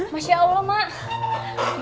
masya allah mak